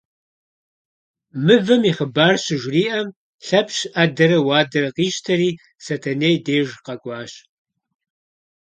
Мывэм и хъыбар щыжриӏэм, Лъэпщ ӏэдэрэ уадэрэ къищтэри Сэтэней деж къэкӏуащ.